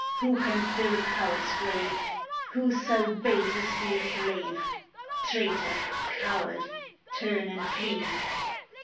Wha can fill a coward's grave? Wha sae base as be a slave? Traitor! coward! turn and flee!